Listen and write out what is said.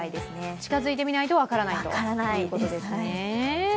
近づいてみないと分からないということですね。